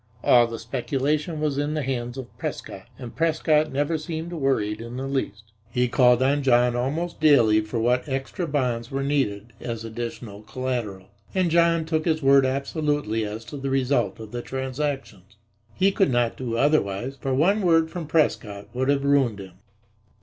All the speculation was in the hands of Prescott, and Prescott never seemed worried in the least. He called on John almost daily for what extra bonds were needed as additional collateral, and John took his word absolutely as to the result of the transactions. He could not do otherwise, for one word from Prescott would have ruined him.